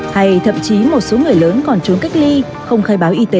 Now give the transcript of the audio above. hay thậm chí một số người lớn còn trốn cách ly không khai báo y tế